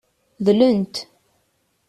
Dlent.